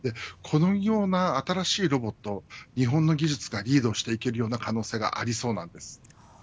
このような新しいロボット日本の技術がリードしていけるような可能性がありそうです。